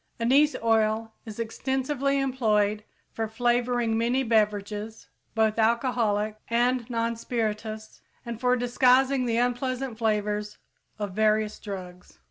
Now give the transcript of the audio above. Anise oil is extensively employed for flavoring many beverages both alcoholic and non spirituous and for disguising the unpleasant flavors of various drugs.